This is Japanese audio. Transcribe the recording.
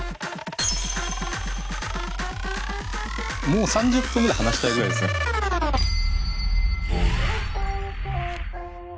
もう３０分ぐらい話したいぐらいですね。